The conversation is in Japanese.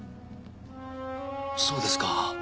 そうですか。